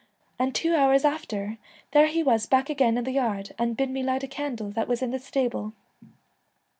And two hours after, there he was back again in the yard, an' bid me light a candle that was in the stable.